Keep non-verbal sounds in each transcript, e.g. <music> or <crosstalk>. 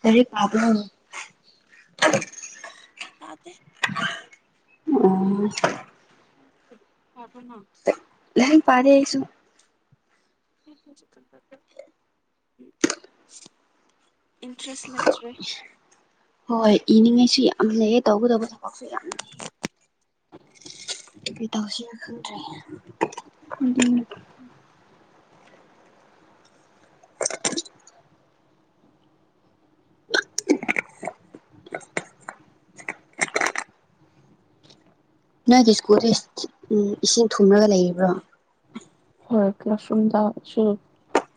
ꯀꯔꯤ ꯄꯥꯕꯔꯣ <unintelligible> <unintelligible> ꯌꯥꯗꯦ ꯑꯣ꯫ <unintelligible> <unintelligible> ꯄꯥꯔꯦ ꯑꯩꯁꯨ꯫ ꯏꯟꯇꯔꯦꯁ ꯂꯩꯇ꯭ꯔꯦ꯫ ꯍꯣꯏ ꯏꯅꯤꯉꯩꯁꯨ ꯌꯥꯝ ꯂꯩꯌꯦ꯫ ꯇꯧꯒꯗꯕ ꯊꯕꯛꯁꯨ ꯌꯥꯝ ꯂꯩ꯫ ꯀꯩꯇꯧꯁꯤꯔ ꯈꯪꯗ꯭ꯔꯦ꯫ ꯑꯗꯨꯅꯦ ꯅꯣꯏꯒꯤ ꯁ꯭ꯀꯨꯜꯗꯤ ꯎꯝ ꯏꯁꯤꯡ ꯊꯨꯝꯃꯔꯒ ꯂꯩꯕ꯭ꯔꯣ꯫ <unintelligible>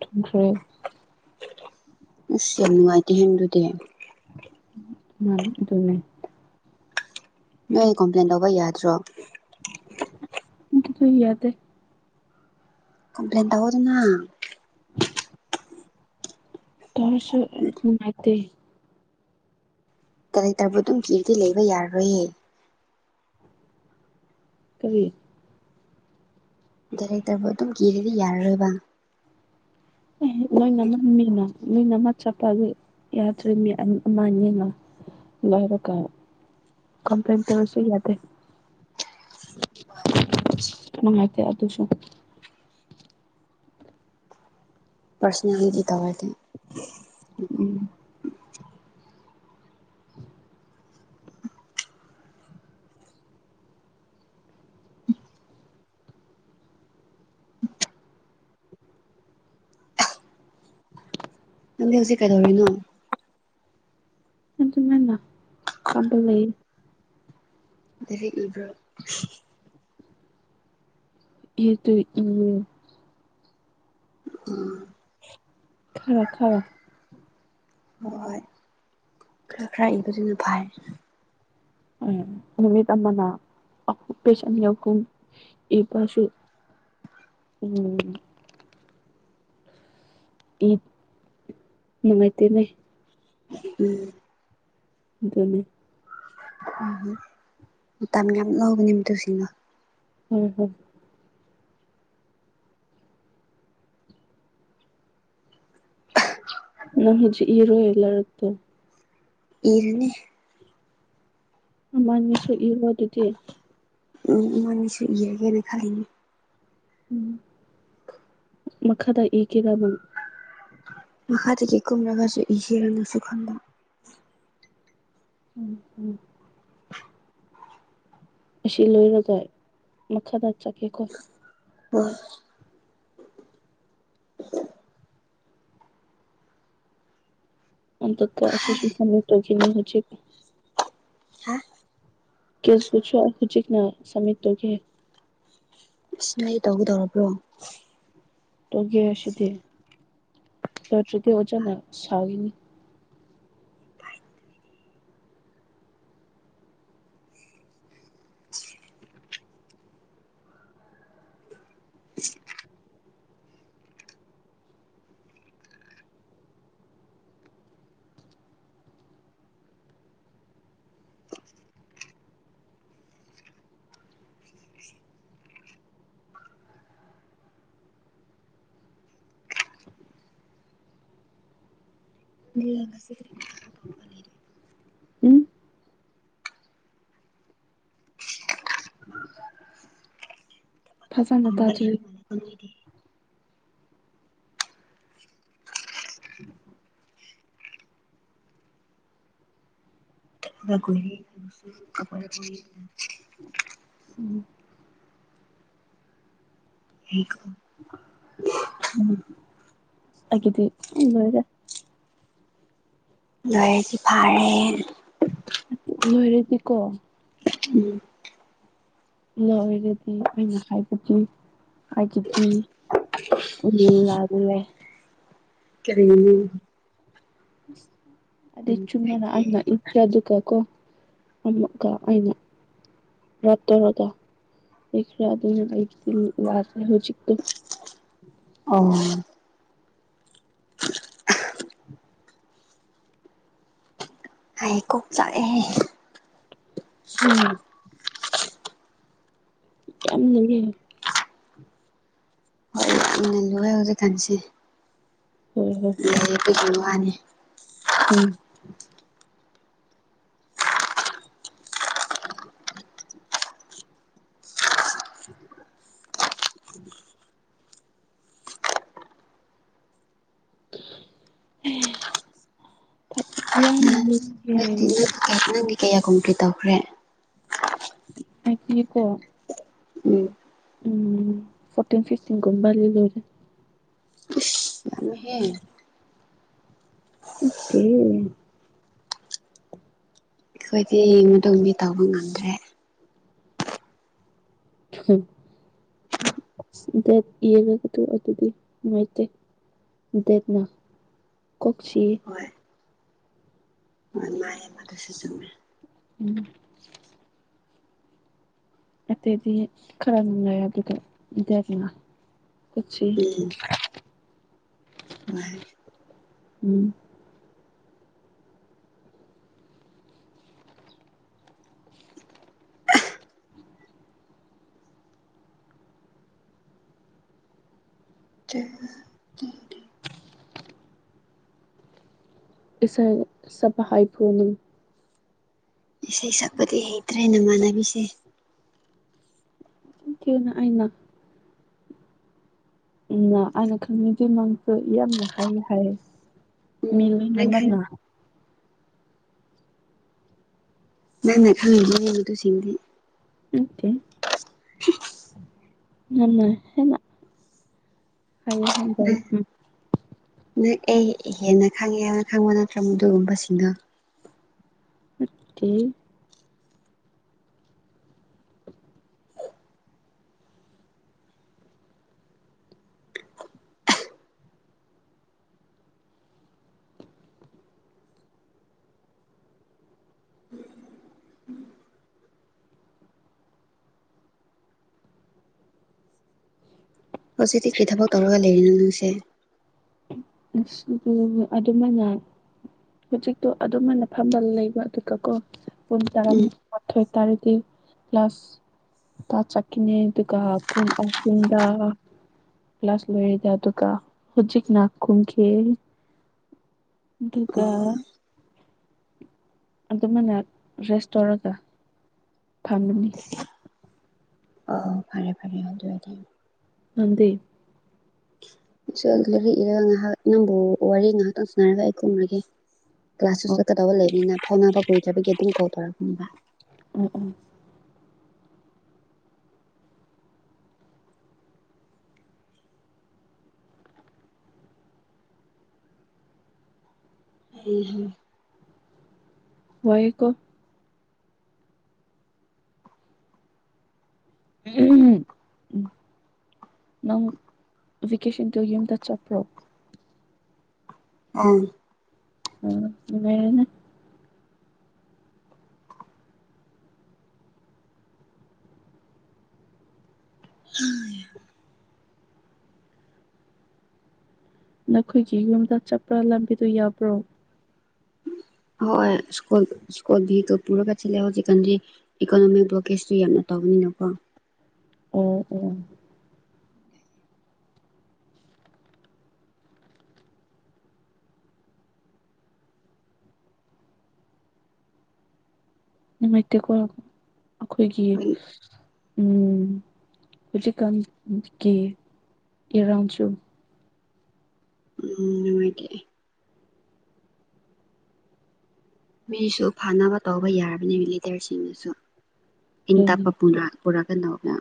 ꯊꯨꯝꯈ꯭ꯔꯦ꯫ ꯑꯁ ꯌꯥꯝ ꯅꯨꯡꯉꯥꯏꯇꯦ ꯍꯦ ꯑꯗꯨꯗꯤ꯫ ꯍꯣꯏ ꯑꯗꯨꯅꯦ꯫ ꯅꯣꯏ ꯀꯝꯄ꯭ꯂꯦꯟ ꯇꯧꯕ ꯌꯥꯗ꯭ꯔꯣ꯫ ꯑꯗꯨꯗꯤ ꯌꯥꯗꯦ꯫ ꯀꯝꯄ꯭ꯂꯦꯟ ꯇꯧꯍꯧꯗꯅ꯫ ꯀꯔꯤꯁꯨ ꯅꯨꯡꯉꯥꯏꯇꯦ꯫ <unintelligible> <unintelligible> ꯀꯔꯤ꯫ ꯂꯩꯇꯕ ꯑꯗꯨꯝ ꯀꯤꯔꯗꯤ ꯌꯥꯔꯣꯏꯕ꯫ ꯑꯦ ꯂꯣꯏꯅ ꯑꯃ ꯃꯤꯅ ꯂꯣꯏꯅ ꯑꯃ ꯆꯠꯄ ꯑꯗꯨ ꯌꯥꯗ꯭ꯔꯦ ꯃꯤ ꯑꯃ ꯑꯅꯤꯅ ꯂꯣꯏꯔꯒ ꯀꯝꯄ꯭ꯂꯦꯟ ꯇꯧꯔꯁꯨ ꯌꯥꯗꯦ ꯅꯨꯡꯉꯥꯏꯇꯦ ꯑꯗꯨꯁꯨ ꯄꯔꯁꯅꯒꯤ ꯇꯋꯥꯗ ꯎꯝ ꯅꯪꯗꯤ ꯍꯧꯖꯤꯛ ꯀꯩꯗꯧꯔꯤꯅꯣ ꯑꯗꯨꯃꯥꯏꯅ ꯄꯥꯝꯕ ꯂꯩ ꯑꯗꯨ ꯏꯕ꯭ꯔꯣ ꯍ ꯇ ꯎ <unintelligible> ꯎꯝ ꯈꯔ ꯈꯔ ꯍꯣꯏ ꯍꯣꯏ ꯈꯔ ꯈꯔ ꯏꯕꯗꯨꯅ ꯐꯥꯏ ꯑ ꯅꯨꯃꯤꯠ ꯑꯃꯅ ꯄꯦꯁ ꯑꯅꯤ ꯑꯍꯨꯝ ꯏꯕꯁꯨ ꯎꯝ ꯎ ꯅꯨꯡꯉꯥꯏꯏꯇꯦꯅꯦ ꯎꯝ ꯑꯗꯨꯅꯤ ꯎ ꯃꯇꯝ ꯌꯥꯝ ꯂꯧꯕꯅꯤ ꯃꯨꯁꯤꯡꯅ <unintelligible> ꯅꯪ ꯍꯧꯖꯤꯛ ꯏꯔꯣ ꯑꯦꯂꯔꯠꯇꯣ ꯏꯔꯅꯤ ꯃꯅꯤꯁꯨ ꯏꯔꯣ ꯑꯗꯨꯗꯤ ꯎ ꯏꯕꯥꯟꯅꯤꯁꯨ ꯏꯔꯒꯦꯅ ꯈꯜꯂꯤꯅꯦ ꯃꯈꯥꯗ ꯏꯒꯦꯔ ꯅꯪ ꯃꯈꯥꯗꯒꯤ ꯀꯨꯝꯔꯒꯁꯨ ꯏꯁꯤꯔꯅꯁꯨ ꯈꯟꯕ ꯎꯝ ꯎꯝ ꯑꯁꯤ ꯂꯣꯏꯔꯒ ꯃꯈꯥꯗ ꯆꯠꯀꯦꯀꯣ ꯑꯥ ꯑꯗꯨꯒ ꯑꯁꯤꯁꯨ ꯑꯃꯨꯛ ꯇꯧꯈꯤꯅꯤ ꯍꯧꯖꯤꯛ ꯍꯥ ꯀꯁ ꯄ ꯄꯨꯣ ꯍꯧꯨ ꯎꯆꯖꯤꯛꯅ ꯁꯃꯤ ꯇꯒꯤ ꯑꯁꯃꯥꯏ ꯇꯧꯒꯗꯧꯔꯕ꯭ꯔꯣ ꯇꯧꯒꯦ ꯑꯁꯦꯗꯤ ꯇꯧꯗꯔꯥꯗꯤ ꯑꯣꯖꯅ ꯁꯥꯥꯎꯒꯅꯤ ꯎꯝ ꯐꯖꯅ ꯇꯖꯔꯤ <unintelligible> ꯎꯝ <unintelligible> ꯑꯗꯨꯗꯤ ꯂꯣꯏꯔꯦ ꯂꯣꯏꯔꯗꯤ ꯐꯥꯔꯦ ꯂꯣꯏꯔꯗꯤꯀꯣ ꯎꯝ ꯂ ꯑꯣꯏꯔꯗꯤ ꯑꯩꯅ ꯍꯥꯏꯕꯗꯤ ꯑꯩꯒꯤꯗꯤ ꯂꯥꯜꯂꯨꯔꯦ ꯀꯔꯤ ꯃꯃꯤꯡ <unintelligible> ꯑꯗ ꯆꯨꯝꯅ ꯏꯈꯔꯗꯨꯒ ꯀꯣ ꯑꯃꯨꯛꯒ ꯑꯩꯅ ꯔꯥꯞ ꯇꯧꯔꯒ ꯏꯈ꯭ꯔꯦ ꯑꯗꯨꯅ ꯑꯩ ꯍꯧꯖꯤꯛꯇ ꯑꯣ ꯍꯥꯏ ꯀꯣꯛ ꯆꯥꯛꯑꯦꯍꯦ ꯎꯝ ꯌꯥꯝ ꯂꯩꯌꯦ ꯌꯥꯝ ꯂꯣꯏꯌꯦ ꯍꯧꯖꯤꯛ ꯈꯟꯁꯦ ꯍꯝ ꯍꯝ ꯀ ꯈꯣꯂꯨ ꯋꯥꯅꯤ ꯎꯝ <inaudible> ꯏ ꯅꯗꯤ ꯅꯠꯇ ꯅ ꯀꯌꯥ ꯀꯨꯝ ꯀꯔꯤ ꯇꯧꯈ꯭ꯔꯦ ꯑꯩꯒꯤꯀꯣ ꯎꯝ ꯎꯝ ꯐꯣꯔꯇꯤꯟ ꯐꯤꯐꯇꯤꯟ ꯀꯨꯝꯕ ꯂꯤ ꯂꯣꯏꯔꯦ ꯍꯦ ꯑꯠꯇꯦ ꯑꯩꯈꯣꯏꯗꯤ ꯃꯇꯨꯡꯗꯗꯤ ꯇꯧꯕ ꯉꯝꯗ꯭ꯔꯦ ꯗꯦꯠꯒ ꯇꯗꯤ ꯃꯥ ꯗꯦꯠ ꯀꯁꯤ ꯑ ꯁ ꯆ ꯎꯝ ꯑꯇꯩꯗꯤ ꯈꯔ ꯅꯨꯡꯉꯥꯏ ꯑꯗꯨꯗꯦꯅꯥ ꯀꯆ ꯎꯝ <inaudible> ꯎꯝ ꯊ ꯏꯁ ꯁ ꯍꯥꯏ ꯐꯅꯤ ꯏꯁꯩ ꯁꯛꯄꯗꯤ ꯍꯩꯇ꯭ꯔꯦ ꯅꯃꯥꯟꯅꯕꯤꯁꯦ ꯀꯌꯅ ꯍꯥꯏꯅ ꯎꯝ ꯑꯩꯅ ꯈꯪꯉꯗ ꯃꯥꯡꯁꯨ ꯌꯥꯝꯅ ꯍꯥꯏ ꯍꯥꯏꯌꯦ ꯎꯝ ꯃꯤꯂ ꯅꯪ ꯈꯪ ꯅꯝꯕꯅ ꯅꯪ ꯅ ꯈꯜꯂ ꯅꯡꯅ ꯇꯨꯁꯤꯡꯗꯤ ꯎꯠꯇꯦ ꯃꯥ ꯍꯦꯟꯅ ꯍꯥꯏꯌꯦ ꯍ ꯇ ꯅꯪ ꯎꯝ ꯅꯪ ꯑꯩ ꯍꯦꯟꯅ ꯈꯪꯉꯦ ꯌꯥꯝꯅ ꯈꯪꯕ ꯅꯠꯇ꯭ꯔ ꯑꯗꯨꯒꯒꯨꯝꯕꯕꯁꯤꯅ ꯀ ꯍꯧꯖꯤꯛꯇꯤ ꯀ꯭ꯔꯤ ꯊꯕꯛ ꯇꯧꯔꯒ ꯂꯩꯔꯤꯅꯣ ꯅꯪꯁꯦ ꯑꯗꯨꯃꯥꯏꯅ ꯍꯧꯖꯤꯛꯇꯣ ꯑꯗꯨꯃꯥꯏꯅ ꯐꯝꯕ ꯂꯩꯕ ꯑꯗꯨꯒꯀꯣ ꯄꯨꯡ ꯇꯔꯥ ꯎꯝ ꯃꯥꯊꯣꯏ ꯇꯥꯔꯗꯤ ꯀ꯭ꯂꯥꯁ ꯇ ꯆꯠꯈꯤꯅꯦ ꯑꯗꯨꯒ ꯄꯨꯡ ꯑꯍꯨꯝꯗ ꯀ꯭ꯂꯥꯁ ꯂꯣꯏꯔꯗ ꯑꯗꯨꯒ ꯍꯧꯖꯤꯛꯅ ꯀꯨꯝꯀꯤꯦ ꯀꯥ ꯑꯗꯨꯃꯥꯏꯅ ꯔꯦꯁ ꯇꯧꯔꯒ ꯊꯃꯤꯅꯤ ꯑꯣ ꯐꯔꯦ ꯐꯔꯦ ꯑꯗꯨꯗꯤ ꯑꯗ ꯑꯗꯨ ꯏꯔꯒ ꯉꯥꯏꯍꯥꯛ ꯅꯪꯕꯨ ꯋꯥꯔꯤ ꯉꯥꯏꯍꯥꯛꯇꯪ ꯁꯥꯟꯅꯔꯒ ꯑꯩ ꯀꯨꯝꯔꯒꯦ ꯀ꯭ꯂꯥꯁꯁ ꯑꯣ ꯆꯀꯗꯧꯕ ꯂꯩꯕꯅꯤꯅ ꯐꯥꯎꯅꯕ ꯀꯨꯏ꯭ꯔꯒꯤ ꯑꯗꯨꯝ ꯀꯧ ꯇꯔꯒꯨꯝ ꯎ ꯎ ꯏꯍꯨꯝ ꯋꯥꯣ ꯅꯪ ꯦꯀꯦꯁꯟ ꯇ ꯌꯗ ꯆꯄ꯭ꯔꯣ ꯎꯝ ꯑ ꯏꯅ ꯅꯈꯣꯏꯒꯤ ꯌꯨꯝꯗ ꯆꯠꯄ꯭ꯔꯥ ꯂꯝꯕꯤꯗꯨ ꯌꯥꯕ꯭ꯔꯣ ꯍꯣꯏꯣꯏ ꯁꯀꯨꯜ ꯁ꯭ꯀꯣꯜ ꯚꯤꯒ ꯄꯨꯔꯒ ꯁꯤꯜꯂꯦ ꯍꯧꯖꯤꯛꯀꯥꯟꯗꯤ ꯏꯀꯣꯅꯣꯃꯤꯛ ꯕ꯭ꯂꯣꯀꯦꯁꯇꯨ ꯌꯥꯝꯅ ꯇꯧꯕꯅꯤꯅꯀꯣ ꯑꯣ ꯎ ꯅꯨꯅꯨꯡꯥꯏꯇꯦꯀꯣ ꯑꯩꯈꯣꯏꯒꯤ ꯍꯣꯏ ꯍꯧꯖꯤꯛꯀꯒꯤ ꯏꯔꯥꯡꯁꯨ ꯅꯨꯡꯉꯥꯏꯦ ꯃꯤꯁꯨ ꯐꯥꯅꯕ ꯇꯧꯕ ꯌꯥꯔꯕꯅꯤ ꯂꯤꯗꯔꯁꯤꯡꯅꯁꯨ ꯏꯟ ꯑꯗꯨꯅꯤ꯫ ꯇꯄ ꯄꯨꯅ ꯄꯨꯔꯛꯒꯗꯧꯃ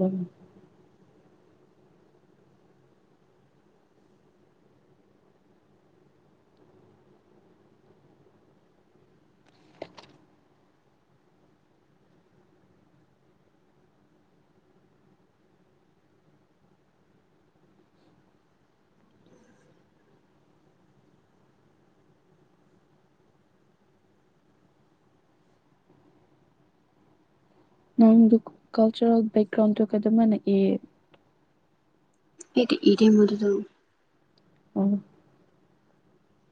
ꯎꯝ ꯅꯪꯗꯨ ꯀꯜꯆꯔꯦꯜ ꯒ꯭ꯔꯥꯎꯟ ꯇ ꯑꯦꯀꯗꯃꯦꯅ ꯑꯩꯗꯤ ꯏꯗꯦ ꯃꯗꯨꯗ ꯎꯝ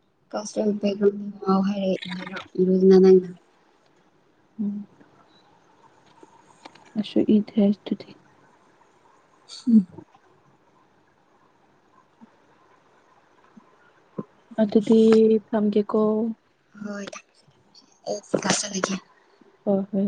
ꯀꯁꯔ ꯎꯝ ꯑꯁꯣ ꯏꯗꯤꯁ ꯑꯗꯨꯗꯤꯤ ꯎꯝ ꯑꯗꯨꯗꯤ ꯊꯝꯒꯦꯀꯣ <unintelligible> ꯍ‌ꯣꯏ ꯍꯣꯏ